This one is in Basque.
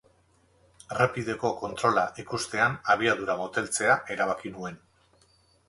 Errepideko kontrola ikustean abiadura moteltzea erabaki nuen.